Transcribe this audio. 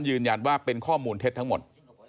ยืนยันว่าเป็นข้อมูลเท็จทั้งหมด